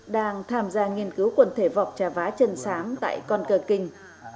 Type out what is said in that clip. đang tham gia nghiên cứu quần thể vọc trà vá chân sáng tại con cờ kinh